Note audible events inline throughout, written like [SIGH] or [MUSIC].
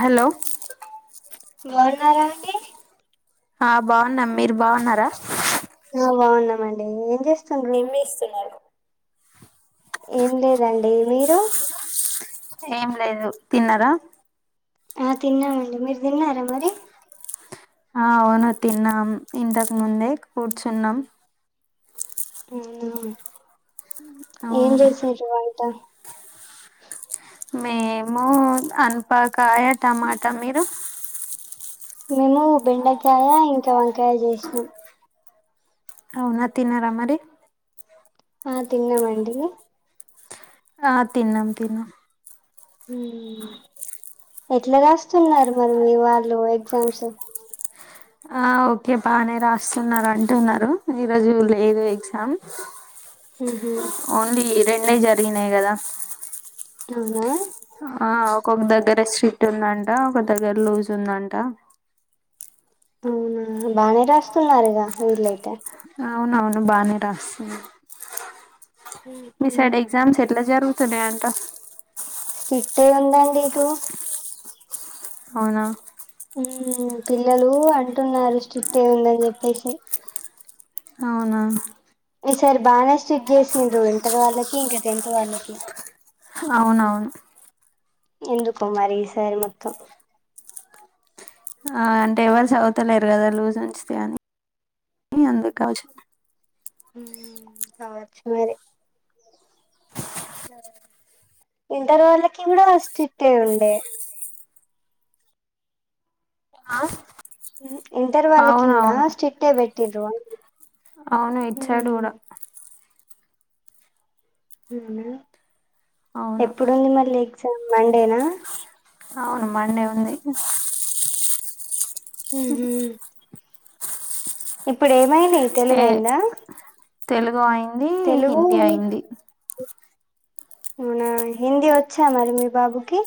Hello బావున్నార అండి ఆ బాగున్నాం మీరు బాగున్నారా ఆ బాగున్నామండి ఏం జేస్ ఏం జేస్తన్నారు ఏం లేదండి మీరు ఏం లేదు తిన్నారా ఆ తిన్నామండి మీరు తిన్నారా మరి ఆ అవును తిన్నాం ఇంతకు ముందే కూర్చున్నాం ఊ ఏం అవును చేసిరు వంట మేము అనపకాయ టమాటా మీరు మేము బెండకాయ ఇంకా వంకాయ జేష్ణం అవునా తినార మరి ఆ తిన్నామండి ఆ తిన్నాం తిన్నాం ఎట్లాగాస్తున్నారు మరి మీ వాళ్ళు ఎగ్జామ్స్ ఆ ఓకే బానే రాస్తున్నారు అంటున్నారు ఈరోజు లేదు ఎగ్జామ్ ఉహు ఓన్లీ రెండి ఎన్న జరిగినాయి కదా అవునా ఓక్క దగ్గర స్ట్రిట్ ఉందంట ఒక దగ్గర లూజ్ ఉందంట మ్మ్ హ్మ్ బానే రాస్తున్నారుగా వీళ్లైతే అవును బానే రాస్తున్నారు మ్మ్. మీసైడ్ ఎగ్జామ్స్ ఎలా జరుగుతునాయి అంత అట్టే ఎందాండి ఇటు అవునా పిల్లలు అంటున్నారు స్ట్రిక్ట్ ఏ ఉందని చెప్పేసి అవునా ఈ సారి బానే స్ట్రిక్ చేసిండ్రు ఇంటర్ వాళ్ళకి ఇంకా టెన్త్ వాళ్ళకి అవునవును ఎందుకు మరి ఈసారి మొత్తం ఆ అంటే ఎవరు చదువివుతలేరు కదా లూజ్ ఉంచితే అని అందుకుచ్చ కావచ్చు మరి ఇంటర్వలకి కూడా ఫస్ట్ స్ట్రిక్ట్ ఐ ఉండే హ ఇంటర్ వాళ్ళకి కూడా అవునవును స్ట్రిట్ఏ పెట్ తిరువ అవును ఇచ్చాడు కూడా మ్మ్ అవును ఎప్పుడుంది మళ్ళీ నీకు మండేనా అవును మండే ఉంది హ్మ ఇప్పుడే మైనే ఏ తెలుగయింద తెలుగు అయి హిందీ అయింది అవునా హిందీ వచ్చా మరి మీ బాబు కి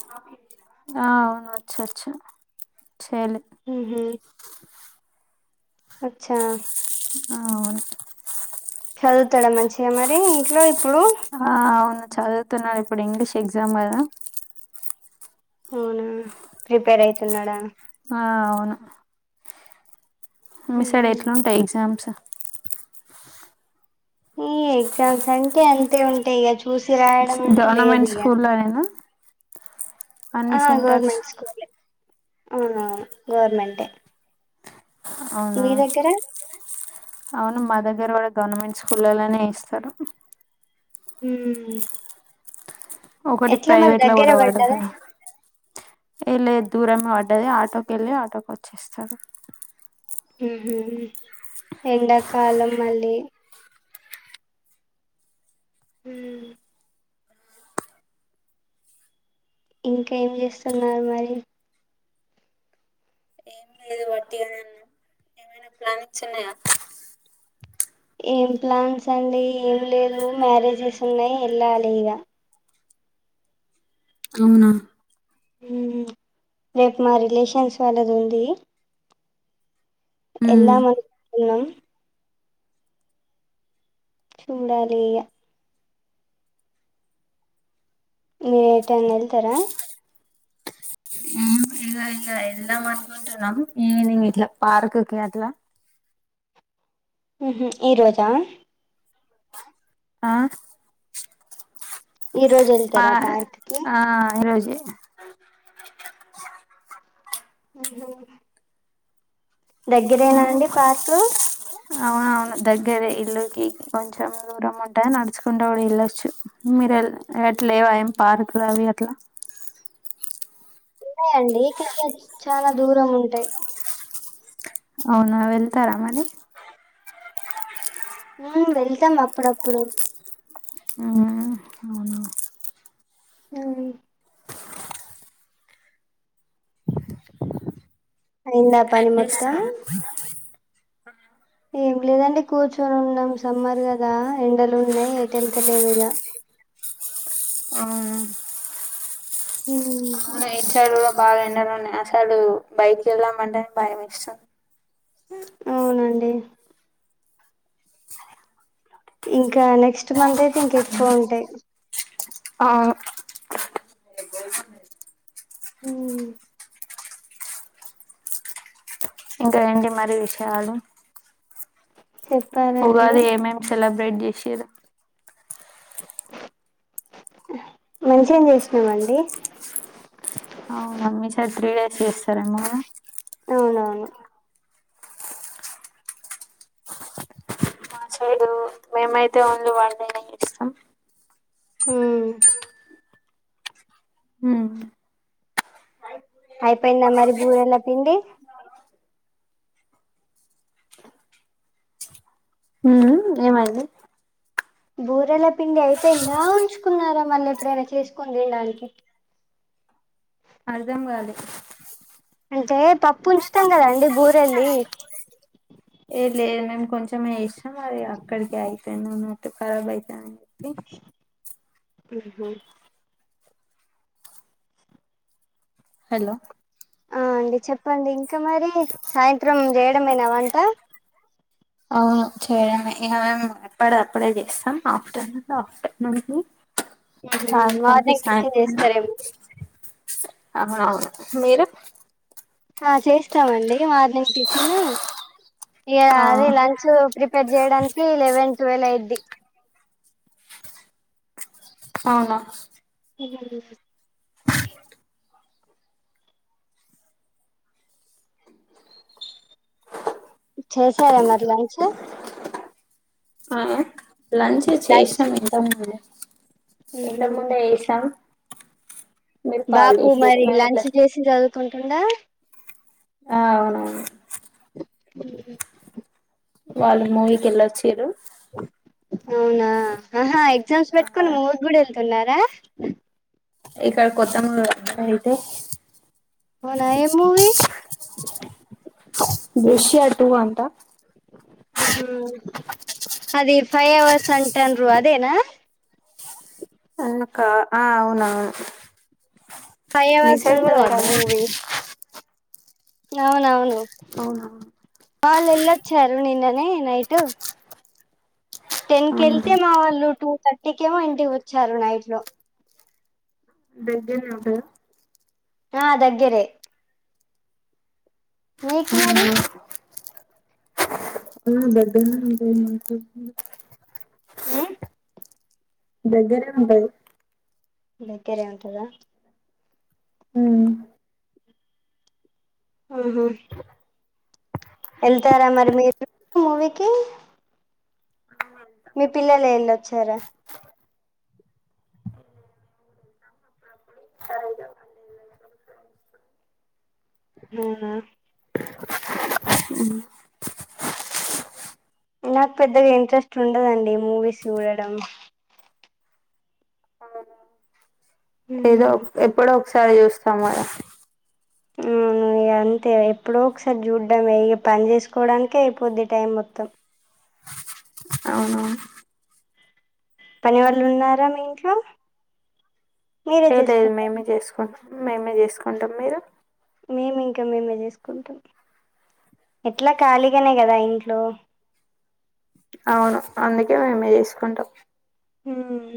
ఆ అవును వచ్చ వచ్చు చెలు వచ్చా అవును చదువుతాడు మంచిగా మరి ఇంట్లో ఇప్పుడు ఆ అవును చదువుతున్నాడు ఇప్పుడు ఇంగ్లీష్ ఎగ్జామ్ కదా అవునా ప్రిపేర్ అయితున్నాడా ఆ అవును మీసడే ఎట్లుం ఉంటాయి ఎగ్జామ్స్ అ ఈ ఎగ్జామ్స్ అంటే అంతే ఉంటాయి ఇగ చూస్ గవర్నమెంట్ స్కూల్లో అయినా అన్ని సెంటర్స్ అవునా గవర్మెంటే అవునా అవును మా దగ్గర కూడా గవర్నమెంట్ స్కూల్లోనే ఇస్తారు హ ఒకటి ప్రైవేట్ లో కూడా వాడు పడ్డదా సార్ వెళ్ళ దూరమే పడ్డది ఆటోకి వెళ్ళి ఆటోకి వచ్చేస్తాడు ఎండాకాలం మళ్ళీ హ ఇంకా ఏం చేస్తున్నారు మరి ఎ ఇదు వట్టిగాన్నా ఏమైనా ప్లానిచ్చిన్నాయా ఏం ప్లాన్స్ అండి ఏం లేదు మ్యారేజ్ స్ సున్నాయి ఎల్లాలి లిగా అవునా రేపు మా రిలేషన్స్ వాళ్ళది ఉంది ఎల్ ఉమ్ దామ్ మనుకున్నాం చూడాలి గా మీరు ఏ టైనా వెళ్తారా ఇక ఇలా వెళ్దాం అనుకుంటున్నాం ఈవినింగ్ ఇట్లా పార్క్ కి అట్లా అహ ఈ రోజా ఆ ఈ రోజు వెళ్తారా పార్క్ కి ఏ ఆహ దగ్గరేనా అండి పార్కు అవునవును దగ్గరే ఇల్లుకి కొంచెం దూరం ఉంటాంది నడుచుకుంటే కూడా ఎల్ళొచ్చు మీరు ఎట్లేవా ఏం పార్కులు అవి అట్లా ఉన్నాయండి ఇ కల్గా చాలా దూరం ఉంటాయి అవునా వెళ్తారా మరి హ వెళ్తాం అప్పుడు అప్పుడు అవునా ఆవు అయిందా పని మొత్తం [UNINTELLIGIBLE] ఏం లేదండి కూర్చొని ఉన్నాం సమ్మర్ కదా ఎండలు ఉన్నాయి ఎటెళ్తలేమిగ ఆ ఈసారి కూడా బాగా ఎండలున్నాయి అసడు బైటికీ వెళ్దాం అంటనే భయం ఎస్తుంది అవునండి ఇంకా నెక్స్ట్ మంత్ అయితే ఇంక ఎక్కువ ఉంటాయి అవును ఉ ఇంకా ఏంటి మరి విషయాలు చెప్పాలండి ఉగాదికి ఏమేం సెల బ్రెట్ చేసిరు మంచిగనే చేసినమండి అవున మీ సైడ్ త్రి డేస్ చేస్తారేమో గదా అవునవును మా సైడు మేమైతే ఓన్లీ వన్ డే నే చేస్తాం ఉమ్ ఉ అయిపోయిందా మరి బూరేలా పిండి హ ఏమయింది బూరెల పిండి అయిపోయిందా ఉంచుకున్నార మళ్ళ ఎప్పుడైనా చేసుకుని తినడానికి అర్ధం కాలే అంటే పప్పు ఉంచుతాం కదా అండి బూరెలుది ఏ లేదు మేము కొంచెం చేసి మాది అక్కడికే అయిపెంది అన్న ఖరాబ్ అయి తే ఉ హా హలో ఆ అండి చెప్పండి ఇంకా ఇంకా మరి సాయంత్రం చేయడమేనావంట అవును చేయడమే ఇక మేము ఎప్పడిది అప్పుడే చేస్తాం ఆఫ్టర్నూన్ ఆఫ్టర్నూన్ ఉహు సాయంత్రంకి మార్నింగ్ టిఫిన్ సాయంత్రం చేస్తారేమో అవునవును మీరు ఆ చేస్తామండి మార్నింగ్ టిఫిను ఇగ ఆ అది లంచ్ ప్రిపేర్ చేయడానికి లెవెన్ ట్వెల్వ్ అయిద్ది అవునా నిన్నటి చూపిస్ చేసారా మరి లంచ్ ఆ లంచ్ లంచ్ చేసాం ఇంత ముందే ఉహు ఇంతకు ముందే యేసాం బాబు మరి మేము ఇట్లా లంచ్ చేసి చదువు కుంటండ ఆ అవునవును వాళ్ళు మూవీకి వెళ్ళొచ్చిర్రు ఊ అవునా ఆహా ఎగ్జామ్స్ ఆ బెట్టుకొని మూవీస్ కూడా వెళ్ ఉన్నారా ఏక కొత్త మూ రా హతా అవునా ఏ మూవి దృశ్య టూ అంట ఆహా అది ఫైవ్ అవర్స్ అంటన్రు అదేనా అకా ఆ అవునవును ఫై మీ అవర్స్ సైడ్ కూడా ఉంటందట పడ్డదా మూవీ అవునవును అవునా వాళ్ళు ఎళ్ళొచ్చారు నిన్ననే నైటు టెన్ కెళ్తే మా వాళ్ళు టూ థర్టీ కేమో ఇం టి వచ్చారు నైట్ లో దగ్గర్నె ఉంటదా ఆ దగ్గరే మీకు మరి ఆ ఆ బడ్్డనా ఉంతాతు [UNINTELLIGIBLE] ఊ దగ్గర ఉంటది దగ్గేర ఉంటందా ఆ ఆహా వెళ్తారా మరి మీరు మూవీకి మీ పిల్లలు వెళ్ళొచ్చారా ఆ అవునా నాకు పెద్దగా ఇంట్రెస్ట్ ఉండదండి మూవీస్ చూడడం ఏదో ఎప్పుడో ఒకసారి చూస్తాం మ ఊ అంతే ఎప్పుడో ఒకసారి చూడ్డాం ఇ పని చేసుకోవడానికే అయిపోద్ది టైం మొత్తం అవును పని వాళ్ళు ఉన్నారా మీ ఇంట్లో మీరే ఏ లేదు చేసుకుంటార మేమే చేసుకుంటం మేమే చేసుకుంటాం మీరు మేము ఇంకా మేమే చేసుకుంటాం ఎట్లా ఖాళీగానే కదా ఇం లో అవును అందుకే మేం చేసుకుంటాం హ్మ్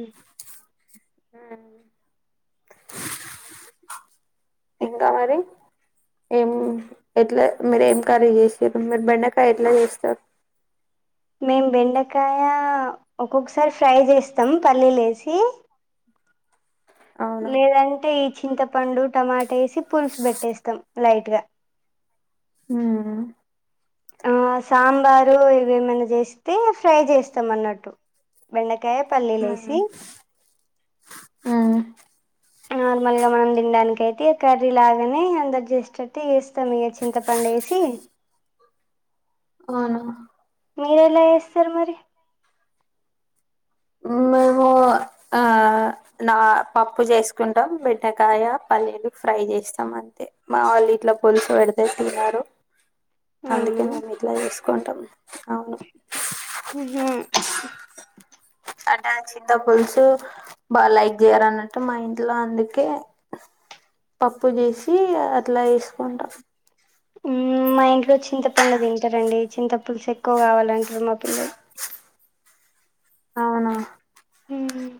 ఇంకా మరి ఏం ఎట్ల మీరు ఏం కర్రీ చేసింరు. మీర్ బెండకాయ ఎట్ల చేస్తారు. మేం బెండకాయ ఒక్కొక్కసారి ఫ్రై చేస్తాం పల్లీల్ ఏసి అవునా లేదంటే ఇ చింతపండు, టమాటా ఏసి పులుసు పెట్టేస్తాం లైట్గా హ్మ్ ఆ సాంబార్ ఇవేమన్న చేస్తే ఫ్రై చేస్తాం అన్నట్టు బెండ కాయ పల్లీలేసి నార్మల్గా మనం తిన్డానికి అయితే ఇగ కర్రీ లాగానే అందరు చేసేటట్టు చేస్ స్తం. ఇగ చింతపండేసి. అవునా మీరు ఎలా చేస్తారు మరి మేము ఆ నా పప్పు చేసుకుంటాం. బెండకాయ పల్లీలు ఫ్రై చేస్తాం అంతే మావోళ్ళు ఇట్ల పులుసు పెడితే తినరు. అందుకే అవునా మేం ఇట్ల చేసుకుంటాం. అవున్ హ్ హ్ అంటే చింత పులుసు బాగా లైక్ చేయరన్నట్టు మా ఇంట్లో అందుకే పప్పు చేసి అట్ల ఏస్కుంటాం మా ఇంట్లో చింతపండు తింటరండి చింత పులుసు ఎక్కువ కావాలంటరు మా పిల్లలు అవునా మ్మ్.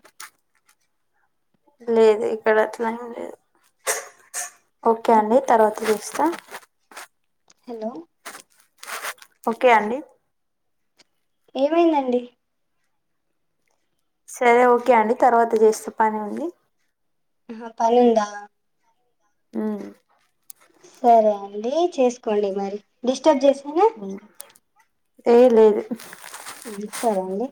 లేదు ఇక్కడ అట్లెం లేదు ఓకే అండి తర్వాత చూస్తా హలో ఓకే అండి. ఏమైందండి. సరే ఓకే అండి తర్వాత చేస్త పని ఉంది. ఆ పనుందా. ఆ సరే అండి చేసుకోండి మరి డిస్టర్బ్ చేస్ అవును ఏ లేదు సరే అండి.